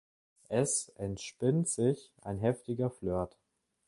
Es entspinnt sich ein heftiger Flirt.